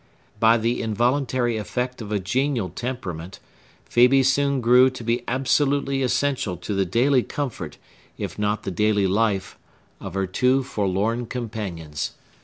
By the involuntary effect of a genial temperament, Phœbe soon grew to be absolutely essential to the daily comfort, if not the daily life, of her two forlorn companions.